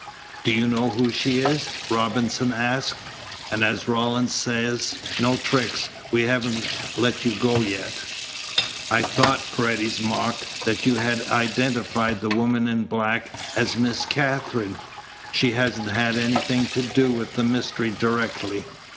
"Do you know who she is?" Robinson asked. "And as Rawlins says, no tricks. We haven't let you go yet." "I thought," Paredes mocked, "that you had identified the woman in black as Miss Katherine. She hasn't had anything to do with the mystery directly.